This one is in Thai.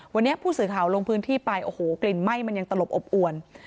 วันนี้ผู้สื่อข่าวลงพื้นที่ไปโอ้โหกลิ่นไหม้มันยังตลบอบอวน